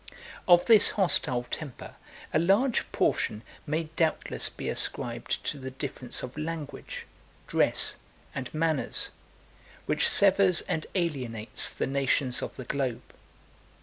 Of this hostile temper, a large portion may doubtless be ascribed to the difference of language, dress, and manners, which severs and alienates the nations of the globe.